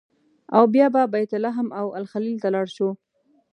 او بیا به بیت لحم او الخلیل ته لاړ شو.